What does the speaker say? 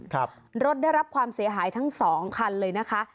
ครับรถได้รับความเสียหายทั้งสองคันเลยนะคะ